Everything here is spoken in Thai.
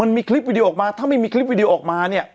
มันมีคลิปวิดีโอออกมาถ้าไม่มีคลิปวิดีโอออกมาเนี่ย